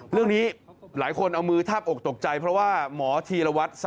เรื่องนี้หลายคนเอามือทาบอกตกใจเพราะว่าหมอธีรวัตร